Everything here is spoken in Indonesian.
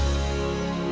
ya saya pikirkan